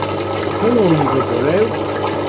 Son o único que o leu?